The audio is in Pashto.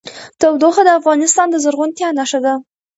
تودوخه د افغانستان د زرغونتیا نښه ده.